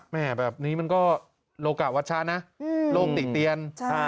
แม่แบบนี้มันก็โลกะวัชชะนะโลกติเตียน